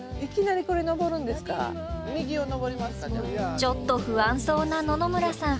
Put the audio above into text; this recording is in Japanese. ちょっと不安そうな野々村さん。